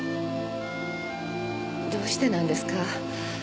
どうしてなんですか？